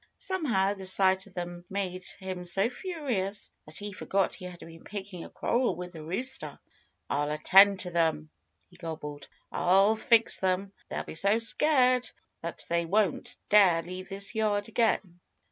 Somehow the sight of them made him so furious that he forgot he had been picking a quarrel with the rooster. "I'll attend to them," he gobbled. "I'll fix them. They'll be so scared that they won't dare leave this yard again."